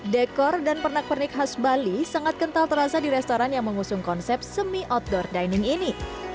dekor dan pernak pernik khas bali sangat kental terasa di restoran yang mengusung konsep semi outdoor dining ini